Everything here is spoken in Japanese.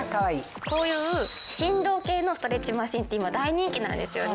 こういう振動系のストレッチマシンって今大人気なんですよね。